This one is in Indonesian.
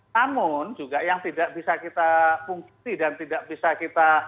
namun juga yang tidak bisa kita pungkiti dan tidak bisa kita